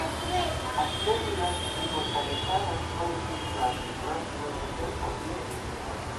As células inmortalizadas poden cultivarse durante moito tempo in vitro.